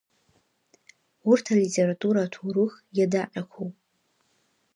Урҭ алитература аҭоурых иадаҟьақәоуп.